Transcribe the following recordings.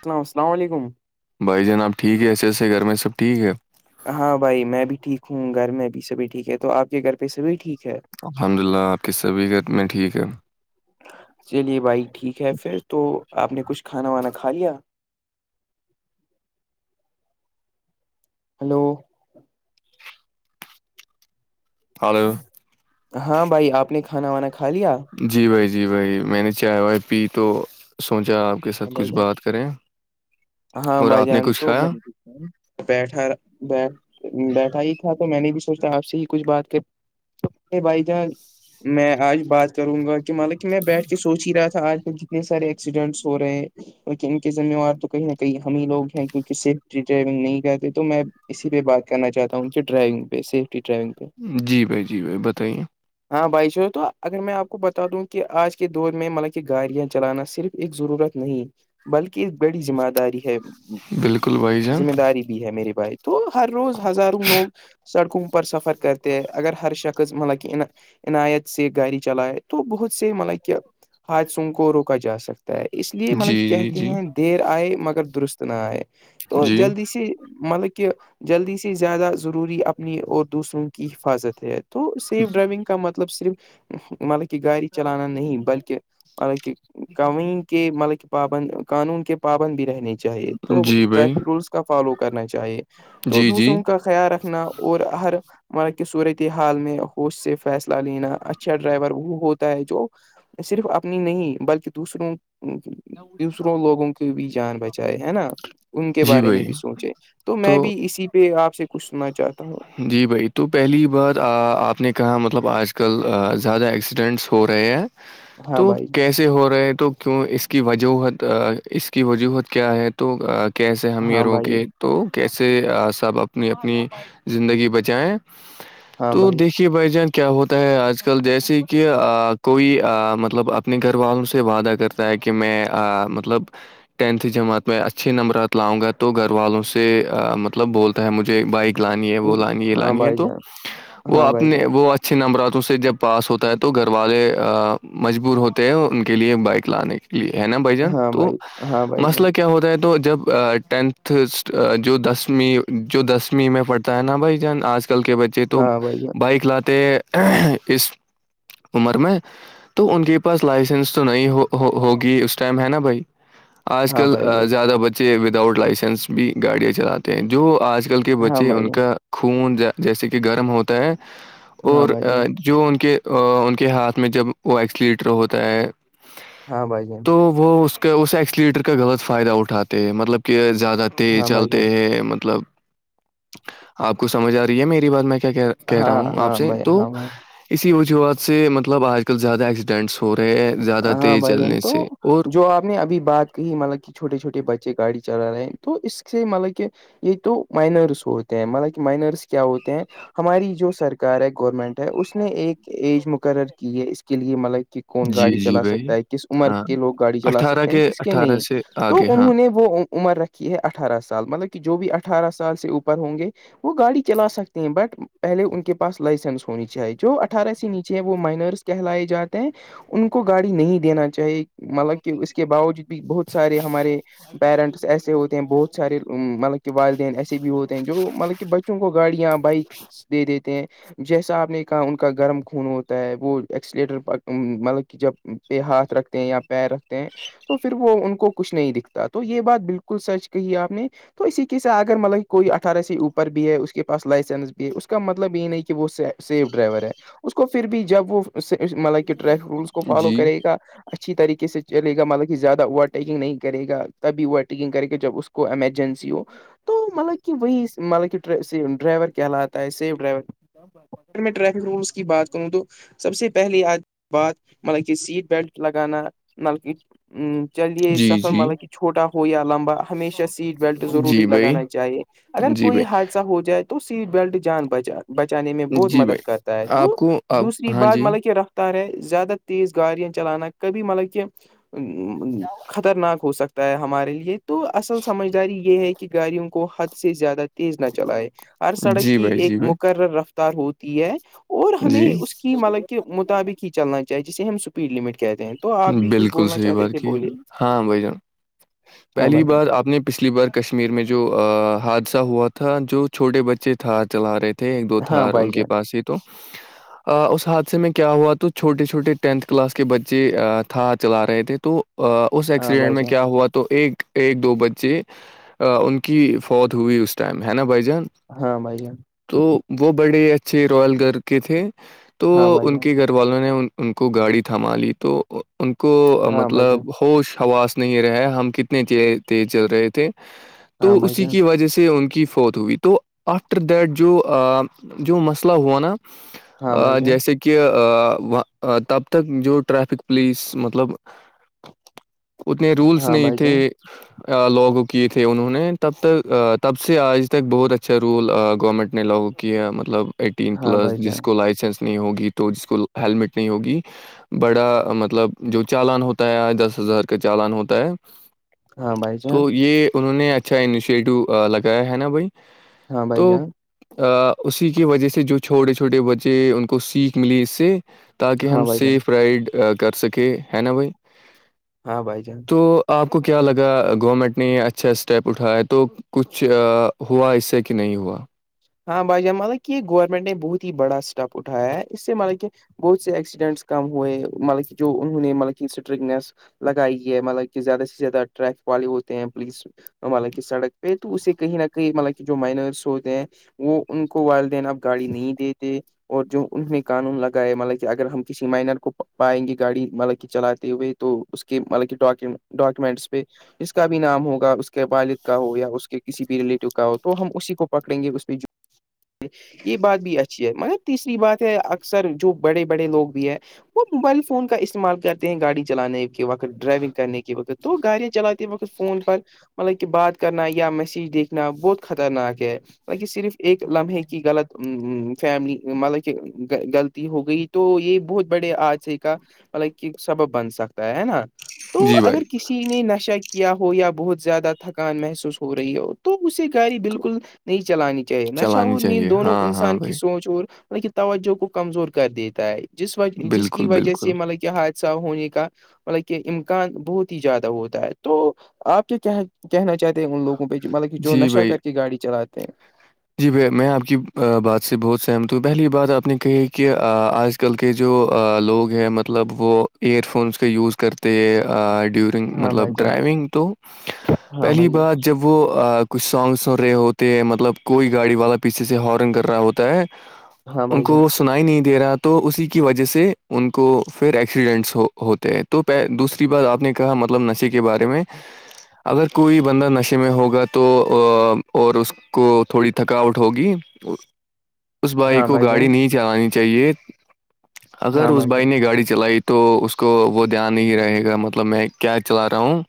Hello السلام علیکم بھائی جان آب ٹھیک ایسے ایسے گھر میں سب ٹھیک ہے ہاں بھائی میں بھی ٹھیک ہوں گھر میں بھی سبھی ٹھیک ہے تو آپ کے گھر پہ سبھی ٹھیک ہے الحمد للہ آپ کی س بھیت میں ٹھیک ہوں چلیے بھائی ٹھیک ہے پھر تو آپ نے کچھ کھانا وانا کھا لیا ہلو ہلو ہاں بھائی آپ نے کھانا وانا کھا لیا جی بھائی جی بھائی میں نے چائے وائے پی تو سوچا آپ کے ہاں ساتھ بھائی کچھ جان بات کریں ہاں اور بھائی آپ نے جان کچھ تو میں کھایا بیٹھا بیٹھ بیٹھا ہی تھا تو میں نے بھی سوچا آپ سے ہی کچھ بات کر بھائی جان میں آج بات کروں گا کہ ملک میں بیٹھ کے سوچ ہی رہا تھا آج کل کتنے سارے ایکسیڈینٹس ہو رہے لن انن کے ذمےار تو کہیں نہیں کئی ہم ہی لوگ ہیں کیونکہ سیفٹی ڈرائیونگ نہیں کرتے تو میں اسی پہ بات کرنا چاہتا ہوں کہ ڈرائیونگ سیفٹی ڈرائیونگ پہ جی بھائی جی بھائی بتائیے ہاں بھائی چو تو اگر میں آپ کو بتا دوں کہ آج کے دور میں مطلب کہ گاڑیاں چلانا صرف ایک ضرورت نہیں بلکہ ایک بڑی ذمہ داری ہے بالکل بھائی جان ذمہ داری بھی ہے میرے بھائی تو ہر روز ہزاروں لوگ سڑکوں پر سفر کرتے ہیں اگر ہر شخص مطلب کہ عنایت سے گاڑی چلائے تو بہت سے مطلب کہ حاتادثوں کو روکا جا سکتا اس لیے جی مطلب کہتے جی ہیں دیر آئے مگر درست نہ آئے تو جی جلدی سے مطلب کہ جلدی سے زیادہ ضروری اپنی اور دوسروں کی حفاظت ہے تو سیف ڈرائیونگ کا مطلب صرف مطلب کہ گاڑی چلانا نہیں بلکہ مطلب کہ کہیں کے مطلب کہ پابند قانون کے پابند بھی رہنے چاہیے جی تو جی بھائی ٹریفک رولس کا فالو کرنا چاہیے تو جی جی دوسروں کا خیال رکھنا اور ہر مارا کہ صورت حال میں ہوش سے فیصلہ لینا اچھا ڈرائیور وہ ہوتا ہے جو صرف اپنی نہیں بلکہ دوسروں کی دوسروں لوگوں کی بھی جان بچائے ہے نا ان کے جی بارے میں بھائی بھی سوچے تو میں بھی اسی پہ آپ سے کچھ سننا چاہتا ہوں جی بھائی تو پہلی بار آپ نے کہا مطلب آج کل زیادہ ایکسیڈنٹس ہو رہے ہیں ہاں تو بھائی جان، کیسے ہو رہے تو کیوں اس کی وجوہت اس کی وجوہت کیا ہے تو کیسے ہم یہ ہاں رو بھائی کےے تو کیسے سب اپنی اپنی زندگی بچیں ہاں تو بھائی دیک د بھائی جان کیا ہوتا ہے آج کل جیسے کہ کوئی مطلب اپنے گھر والوں سے وعدہ کر کہ میں مطلب ٹینتھ جماعت میں اچھے نمبرات لاؤں گا تو گھر والوں سے مطلب بولتا ہے مجھے بائک لانی ہے وہ لانی ہے ہاں لانی ہے بھائی تو جان وہ ہاں بھائی اپنے جان وہ اچھے نمبراتوں سے جب پاس ہوتا ہے تو گھر والے مجبور ہوتے ہیں ان کے لیے بائک لانے کے یہ ہے نا بھ جان ہاں تو بھائی ہاں بھائی جان مسئلہ کیا ہوتا ہے تو جب ٹینتھ جو دسو جو دسویں میں پڑتا ہے نا بھائی جان آج کل کے بچے تو ہاں بھائی جان بائک لاتے اس عمر میں تو ان کے پاس لائسنس تو نہیں ہوگی اس ٹائم ہے نا بھائی آج ہاں کل بھائی زیادہ بچے وداؤٹ لائسنس بھی گاڑیاں چلاتے ہیں جو آج کل کے بچے ان جان کا خون جیسے کہ گرم ہوتا ہے ہاں اور بھائی جان جو ان کے ان کے ہاتھ میں جب وہ ایکسلیٹر ہوتا ہے ہاں بھائی جان تو وہ کا اسے ایکسیلیٹر کا غلط فائدہ اٹھاتے ہیں مطلب کہ زیادہ ہاں بھائی جان ہاں بھائی چلتے جان ہیں مطلب آپ کو سمجھ آ رہی ہے میری بات میں کیا کہ کہہ رہا ہاں ہوں آپ ہاں سے بھائی تو ہاں بھائی اسی وجوہات سے مطلب آج کل زیادہ ایکسیڈنٹس ہو رہے ہیں زیادہ ہاں تیز بھائی جان چلنے تو سے اور جو اپ نے ابھی بات کہ مطلب کہ چھوٹے چھوٹے بچے گاڑی چلا رہے ہیں تو اس سے مطلب کہ یہ تو مائنرس ہوتے ہیں مطلب کہ مائنرس کیا ہوتے ہیں ہماری جو سرکار ہے گورنمنٹ ہے اس نے ایک ایج مقرر کی ہے اس کے لیے مطلب کون جی گاڑی جی چلا بھائی سکتا ہے کس عمر ہاں کے لوگ گاڑی چلا اٹھارہ سکتے ہیں کس کے اٹھارہ نہیں سے تو آگے ہاں انہوں نے وہ عمر رکھی ہے اٹھارہ سال مطلب کہ جو بھی اٹھارہ سال سے اوپر ہوں گے وہ گاڑی چلا سکتے ہیں بٹ پہلے ان کے پاس لائسنس ہونی چاہیے جو اٹھارہ سے نیچے ہیں وہ مائنرس کہلائے جاتے ہیں ان کو گاڑی نہیں دینا چاہیے مطلب کہ اس کے باوجود بھی بہت سارے ہمارے پیرنٹس ایسے ہوتے ہیں بہت سارے مطلب کے والدین ایسے بھی ہوتے ہیں جو مطلب کہ بچوں کو گاڑیاں بائکس دے دیتے ہیں جیسا آپ نے کہا ان کا گرم خون ہوتا ہے وہ ایکسلیٹر مطلب جب پہ ہاتھ رکھتے ہیں یا پیر رکھتے ہیں تو پھر وہ ان کو کچھ نہیں دکھتا تو یہ بات بالکل سچ کہی آپ نے تو اسی کی سے اگر مطلب کوئی اٹھارہ سے اوپر بھی ہے اس کے پاس لائسنس بھی ہے اس کا مطلب یہ نہیں کہ وہ سے سیف ڈرائیور ہے اس کو پھر بھی جب وہ مطلب کہ ٹریفک رولس کو فالو جی کرے اچھی طریقے سے چل گا مطلب کہ زیادہ اوورٹیکنگ نہیں کرے گا تبھی اوورٹیکنگ کرے گ جب اس کو کو ایمرجنسی ہو تو مطلب کہ وہی مطلب کہ ڈرائیور کہلاتا ہے سیف ڈرائیور اگر میں ٹریفک رولس کی بات کروں تو سب سے پہلے آج بات مطلب کہ سیٹ بیلٹ لگانا مطلب چلیے جی سفر جی مطلب کہ چھوٹا ہو یا لمبا ہمیشہ سیٹ بیلٹ جی ضروری بھائی لگانا چاہیے اگر جی کوئی حادثہ ہو جائے تو سیٹ بیلٹ جان بچا بچانے میں بھائی بہت جی مدد بھائی کرتا ہے آپ تو کو آپ دوسری ہاں بات جی مطلب کہ رہ زیادہ تیز گاڑیاں چلانا کبھی مطلب کہ خطرناک ہو سکتا ہمارے لیے تو اصل سمجداری یہ ہے کہ گاڑیوں کو حد سے زیادہ تیز نہ چلائے ہر سڑک جی کی بھائی ایک جی بھائی مقرر رفتار ہوتی ہے اور ہمیں جی اس کی مطلب کے مطابق ہی چلنا چاہیے جسے ہم پڈ لمٹ کہتے ہیں تو آپ بھی کچھ بالکل بولنا صحیح چاہتے بات تھے کی ہے۔ بولے ہاں بھائی جان پہلی بار آپ نے پچھلی بار کشمیر میں جو حادثہ ہوا تھا جو چھوٹے بچے تھا چلا رہے تھے تھے ایک دو ہاں تھار بھائی ان کے جان پاس سے تو اس حادث سے میں کیا ہوا تو چھوٹے چھوٹے ٹینتھ کلاس کے بچے تھا چلا رہے تھے تو اس ہاں ایکسیڈنٹ بھائی میں جان کیا ہوا تو ایک ایک دو بچے ان کی فوت ہوئی اس ٹائم ہے نا بھ جان ہاں بھائی تو وہ بڑے اچھے رال گ کے تھے تو ہاں ان کے گھر والوں نے ان کو گاڑی تھما لی تو ان کو بھائی مطلب جان ہوش حواس نہیں رہا ہم کتنے تیز چل رہے تھے تو ہاں بھائی اسی جان کی وجہ سے ان کی فوت ہوئی تھی تو آفٹر دیٹ جو جو مسئلہ ہو نا ہاں جیسے کہ کہ تب تک جو ٹریفک پولیس مطلب اتنے رولس نہیں تھے ج [inaudible] لوگو کیے تھے انہوں نے تب تک تب سے آج تک بہت اچھا رول گورنمنٹ نے لوگوں کیا مطلب ایٹین ہاں پلس بھائی جس جان کو لائسنس نہیں ہوگی تو جس کو ہیلمٹ نہیں ہوگی بڑا مطلب جو چالان ہوتا ہے آ دس ہزار کا چالان ہوتا ہے ہاں بھائی تو جان یہ انہوں نے اچھا انشیٹو لگایا ہے نا بھائی ہاں بائی تو جان ا اسی کی وجہ سے جو چھوٹے چھوٹے بچے ان کو سیکھ ملی اس سے تاکہ ہاں ہم بھائی جان ہاں بھائی جان سیف رائڈ کر سکے ہے نا بھائی ہاں بائی جان تو آپ کو کیا لگا گورنمنٹ نے یہ اچھا اسٹیپ اٹھایا تو کچھ ہوا اس سے کہ نہیں ہوا ہاں بھائی جان مطلب یہ گورنمنٹ نے بہت ہی بڑا اسٹیپ اٹھایا ہے اس سے مطلب کہ بہت سے ایکسیڈنٹس کم ہوئے مطلب کہ جو انہوں نے مطلب اسٹرکنس لگائی ہے مطلب کہ زیادہ سے زیادہ ٹریفک والے ہوتے ہیں پولیس مطلب کہ سڑک پہ تو اسے کہیں نہ کہیں مطلب کہ جو مائنرس ہوتے ہیں وہ ان کو والدین اپ گاڑی نہیں دیتے اور جو انہ نے قانون لگایا مطلب کہ اگر ہم کسی مائنر کو پائیں گے گاڑی مطلب کی چلاتے ہوئے تو اس کے مطلب کہ ڈ ڈاکومنٹس پہ اس کا بھی نام ہوگا اس کے والد کا ہو یا اس کے کسی بھی ریلیٹو کا ہو تو ہم اسی کو پکڑیں گے اس پہ جو یہ بات بھی اچھی ہے مگر تیسری بات ہے اکثر جو بڑے بڑے لوگ بھی ہیں وہ موبائل فون کا استعمال کرتے ہیں گاڑی چلانے کے وقت ڈرائیونگ کرنے کے تو گاڑیا چلاتتی وکت فون پر مطلب کہ بات کرنا یا میسج دیکھنا بہت خطرناک ہے مطب کہ صرف ایک لمحے کی غلط ا فیملی مطلب کہ غلط ہو گئی تو یہ بہت بڑے آج سے کا مطلب سبب بن سکتا ہے ہے نا تو جی بھائی اگر کسی نے نشہ کیا ہو یا بہت زیادہ تھکان محسوس ہو رہی ہو تو اسے گااری تو بالکل نہیں چلانی چاہ نشہ چلانی اور نیند چاہیے دونوں ہاں ہاں انسان کی بھائی سوچ اور بطل کہ توجہ کو کمزور کر دیتا ہے جس وجہ جس کی بالکل وجہ بالکل سے مطلب حادثہ ہونے کا مطلب کہ امکان بہت ہی زیادہ ہوتا ہے تو آپ کے کیا کہنا چاہتے ہیں ان لوگوں پہ مطلب کہ جو جی نشہ بھائی کر کے گاڑی چلاتے ہیں جی میں آپ کی بات سے بہت سہمت ہوں پہلی بات آپ نے کہی ہے کہ آج آج کل کے جو لوگ ہیں مطلب وہ ایئر فونس کا یوز کرتے ہیں ڈیورنگ ہاں بھائی مطلب جان ڈرائیونگ تو ہاں پہلی بھائی جان بات جب وہ کچھ سانگس سن رہے ہوتے ہیں مطلب کوئی گاڑی والا پیچھے سے ہارن کر رہا ہوتا ہے ہاں ان بھائی کو جان وہ س سنائی نہیں دے رہا تو اسی کی وجہ سے ان کو پھر ایکسیڈنٹس ہوتے تو پ دوسری بات آپ نے کہا مطلب نشے کے بارے میں اگر کوئی بندہ نشے میں ہوگا تو اور اس کو تھوڑی تھکاوٹ ہوگی اس بھائی ہاں کو گاڑی جان نہیں چلانی چاہیے اگر ہاں اس بھائی جان نے گاڑی چلائی تو تو اس کو وہ دھیان نہیں رہے گا مطلب میں کیا چلا رہا ہوں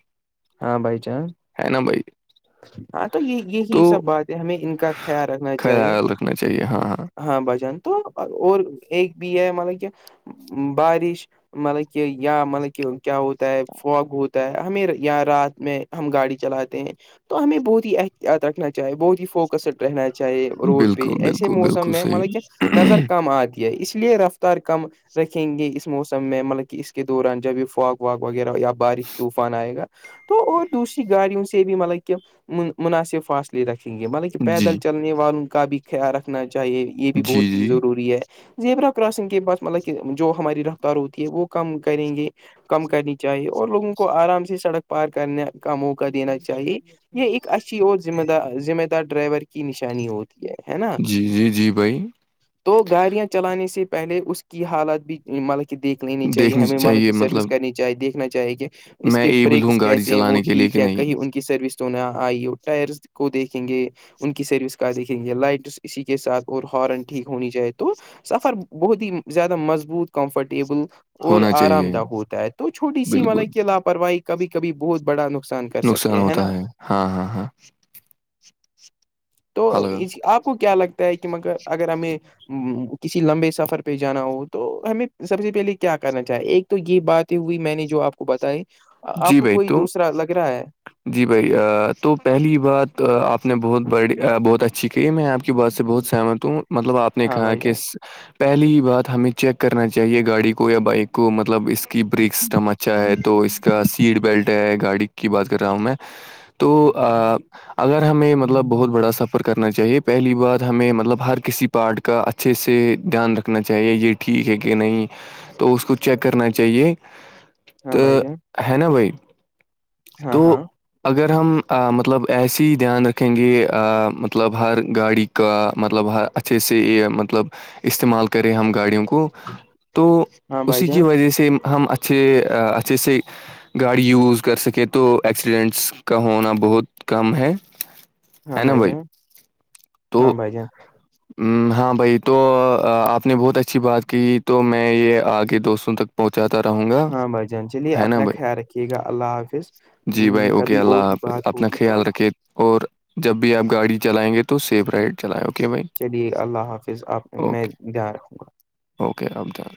ہاں بھائی چان ہے نا بھائی ہاں تو یہ یہی تو سب بات ہے ہمیں ان کا خیال رکھنا چاہیے خیال رکھنا چاہیے ہاں ہاں بجن تو اور ایک بھی ہے ملب کیا بارش مطلب کہ یا مطلب کہ کیا ہوتا ہے فوگ ہوتا ہے ہمیر یا رات میں ہم گاڑی چلاتے ہیں تو ہمیں بہت ہی احتیاط رکھنا چاہیے بہت ہی فوک کسٹ رہنا چاہیے روڈ پہ بالکل ایسے بالکل موسم بالکل میں مطلب کہ صحیح نظر کم آتی ہے اس لیے رفتار کم رکھیں گے اس موسم میں مطلب کہ اس کے دوران جب یہ فاک واک وغیرہ یا بارش طوفان آئے گا تو اور دوسری گاڑیوں سے بھی مطلب کہ مناسب فاصلے لے رکھیں گے مطلب کہ جی پیدل چلنے والوں کا بھی خیال رکھنا چاہیے یہ بھی جی بہت ہی جی ضروری ہے زیبرا کراسنگ کے بعس مطلب کہ جو ہماری رفتار ہوتی ہے وہ کم کریں گے کم کرنی چاہیے اور لوگوں کو آرام سے سڑک پار کرنے کا موقع دینا چاہیے یہ ایک اچھا ذمہ دار ذمہ دار ڈرائیور کی نشانی ہو جی جی جی بھائی تو گاڑیاں چلانے سے پہلے اس کی حالت بھی مطلب دیکھ لینی چاہیے دیکھنی ہمیں مالک کی مطلب سروس کرنی چاہیے دیکھنا چاہے کہ اس میں کے ایبل ہوں بریکس کا گاڑی کیسے ہیں وہ چلانے کے لیے کہ ٹھیک ہے نہیں کہیں ان کی سروس تو نہ آئی ہو ٹائرس کو دیکھیں گے ان کی سروس کہ دیکھیں گے لائٹ اسی کے ساتھ اور ہارن ٹھیک ہونی جائے تو سفر بہت ہی زیادہ مضبوط کمفرٹیبل اور ہونا آرام چاہیے دہ ہوتا ہے تو چھوٹی سی بالکل ملب کہ لاپرواہی کبھی کبھی بہت بڑا نقصان کر سکتے نقصان ہیں ہوتا نا ہے ہاں ہاں ہاں تو ہلو آپ کو کیا لگتا ہے کہ مگر اگر ہمیں کسی لمبے سفر پہ جانا ہو تو ہمیں سب سے پہلے کیا کرنا چاہیے ایک تو یہ باتیں ہوئی میں نے جو آپ کو بتائی آپ جی کو بھائی کوئی تو دوسرا لگ رہا ہے جی بھائی تو پہلی بات آپ نے بہت بڑی بہت اچھی کہی میں آپ کی بات سے بہت سہمت ہوں مطلب آپ نے ہاں کہا بھائی کہ جان پہلی ہی بات ہمیں چیک کرنا چاہیے گاڑی کو یا بائک کو مطلب اس کی بریک سسٹم اچ اچھا ہے تو اس کا سیٹ بیلٹ ہے گاڑی کی بات کر رہا ہوں میں تو ہاں بھائی جان، اگر ہمیں مطلب بہت بڑا سفر کرنا چاہیے پہلی بار ہمیں مطلب ہر کسی پارٹ کا اچھے سے دھیان رکھنا چاہیے یہ ٹھیک ہے کہ نہیں تو اس کو چیک کرنا چاہیے ہاں تو بھائی جان ہے نا بھائی ہاں تو ہاں اگر ہم مطلب ایس ہی دھیان رکھیں گے مطلب ہر گاڑی کا مطلب اچھے سے یہ مطلب استعمال کریں ہم گاڑیوں کو کو تو ہاں بھائی اسی کی جان وجہ سے ہم اچھے اچھے سے گاڑی یوز کر سکے تو ایکسیڈنٹس کا ہونا بہت کم ہے ہاں ہے نا بھائی جان ہاں تو بھائی جان ہاں بھائی تو آپ نے بہت اچھی بات کی تو میں یہ آگے دوستوں تک پہنچاتا رہوں گا ہاں بھائی جان چلیے ہے نا اپنا بھائی خیال رکھیے گا اللہ حافظ جی بھائی م، اوکے کبھی اللہ اور ہی حافظ بات اپنا ہوگی تو خیال اللہ رکھے اور جب بھی آپ گاڑی چلائیں گے تو سیف رائڈ چلائیں اوکے بھائی چلیے اللہ حافظ آپ میں اوکے دھیان رکھوں گا اوکے رام چام